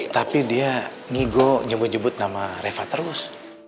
tapi dia ngigo nyebut nyebut nama reva terus